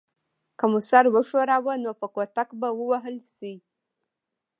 که مو سر وښوراوه نو په کوتک به ووهل شئ.